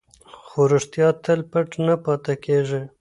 خو رښتیا تل پټ نه پاتې کېږي.